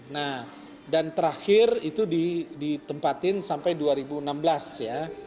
nah dan terakhir itu ditempatin sampai dua ribu enam belas ya